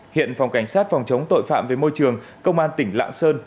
hiện phòng cảnh sát phòng chống tội phạm về môi trường công an tỉnh lạng sơn